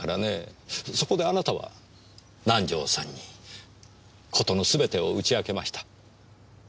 そこであなたは南条さんに事のすべてを打ち明けました。